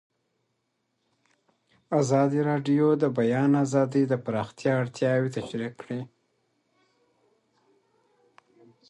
ازادي راډیو د د بیان آزادي د پراختیا اړتیاوې تشریح کړي.